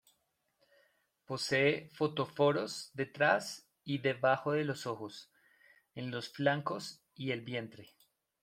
Posee fotóforos detrás y debajo de los ojos, en los flancos y el vientre.